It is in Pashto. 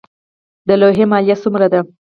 د لوحې مالیه څومره ده؟